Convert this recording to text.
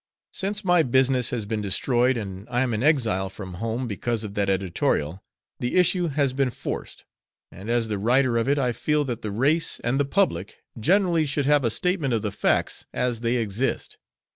Since my business has been destroyed and I am an exile from home because of that editorial, the issue has been forced, and as the writer of it I feel that the race and the public generally should have a statement of the facts as they exist.